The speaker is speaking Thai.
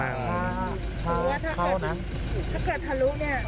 ถ้าเกิดทะลุ